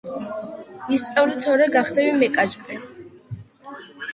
ისწავლე თორე გახდები მეკაჭკე